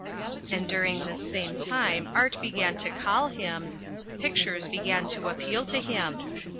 And during this same time Art began to call him Pictures began to appeal to him.